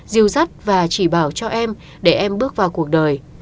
dìu dắt và chỉ bảo cho em để em bước vào cuộc đời